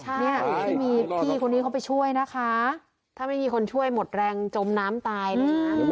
เนี่ยที่มีพี่คนนี้เขาไปช่วยนะคะถ้าไม่มีคนช่วยหมดแรงจมน้ำตายนะคะ